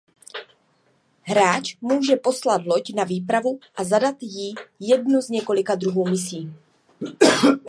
Hráč může poslat loď na výpravu a zadat jí jednu z několika druhů misí.